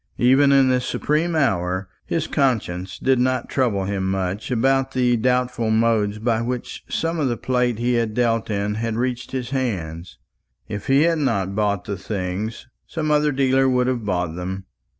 Even in this supreme hour his conscience did not trouble him much about the doubtful modes by which some of the plate he had dealt in had reached his hands. If he had not bought the things, some other dealer would have bought them.